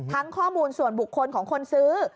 ข้อมูลส่วนบุคคลของคนซื้อ